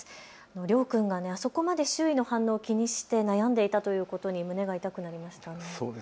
りょう君があそこまで周囲の反応を気にして悩んでいたということに胸が痛くなりましたね。